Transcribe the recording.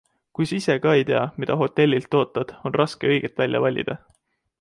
Kui sa ise ka ei tea, mida hotellilt ootad, on raske õiget välja valida.